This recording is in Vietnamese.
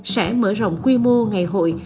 sẽ mở rộng quy mô ngày hội